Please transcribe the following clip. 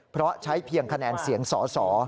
เพราะใช้เพียงคะแนนเสียงสอสอ